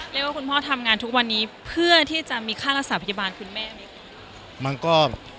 เรียกว่าคุณพ่อทำงานทุกวันนี้เพื่อที่จะมีค่ารักษาพยาบาลคุณแม่